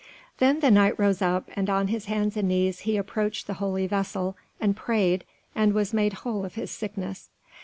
Then the Knight rose up, and on his hands and knees he approached the Holy Vessel, and prayed, and was made whole of his sickness.